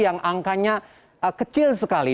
yang angkanya kecil sekali